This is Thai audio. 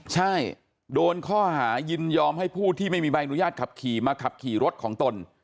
ใช่โดนข้อหายินยอมให้ผู้ที่ไม่มีใบอนุญาตขับขี่มาขับขี่รถของตน